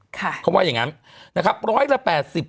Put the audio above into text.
ค่ะก็ว่าอย่างกันนะครับ